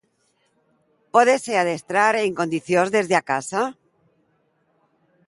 Pódese adestrar en condicións desde a casa?